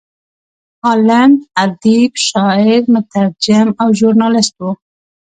عالم، ادیب، شاعر، مترجم او ژورنالست و.